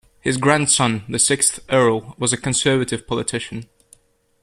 His grandson, the sixth Earl, was a Conservative politician.